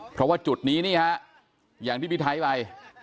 เพราะว่าจุดนี้นี่ฮะอย่างที่พี่ไทยไป